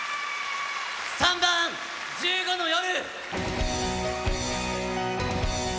３番「１５の夜」。